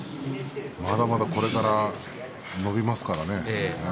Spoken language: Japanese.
まだまだこれから伸びますからね。